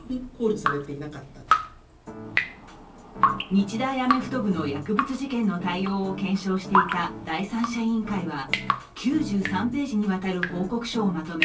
日大アメフト部の薬物事件の対応を検証していた第三者委員会は９３ページにわたる報告書をまとめ